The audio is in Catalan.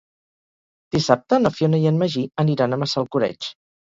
Dissabte na Fiona i en Magí aniran a Massalcoreig.